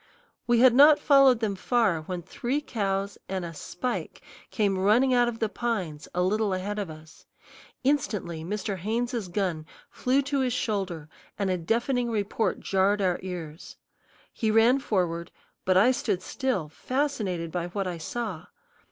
We had not followed them far when three cows and a "spike" came running out of the pines a little ahead of us. Instantly Mr. Haynes's gun flew to his shoulder and a deafening report jarred our ears. He ran forward, but I stood still, fascinated by what I saw.